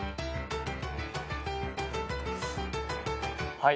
はい。